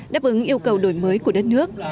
đáp ứng yêu cầu đổi mới của đất nước